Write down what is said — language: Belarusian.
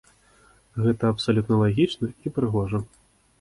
Гэта абсалютна лагічна і прыгожа.